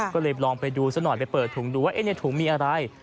ก็เลยลองไปดูซะหน่อยไปเปิดถุงดูว่าในถุงมีอะไร